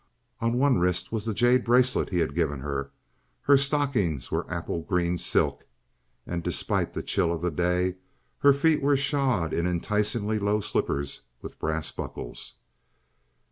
On one wrist was the jade bracelet he had given her. Her stockings were apple green silk, and, despite the chill of the day, her feet were shod in enticingly low slippers with brass buckles.